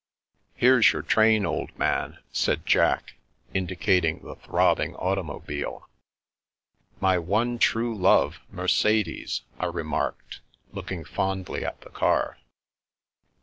" Here's your train, old man," said Jack, indicat ing the throbbing automobile. " My one true love, Mercedes," I remarked, look ing fondly at the car.